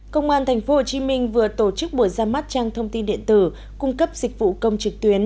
công an tp hcm vừa tổ chức buổi ra mắt trang thông tin điện tử cung cấp dịch vụ công trực tuyến